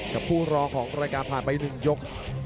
กับผู้รอของรายการผ่านไป๑ยก